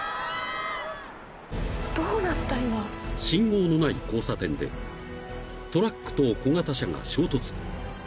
［信号のない交差点でトラックと小型車が衝突］